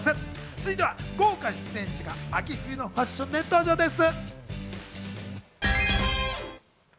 続いては豪華出演者が秋冬のファッションで登場です。